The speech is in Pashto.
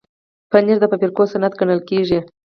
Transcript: پنېر د فابریکو صنعت ګڼل کېږي.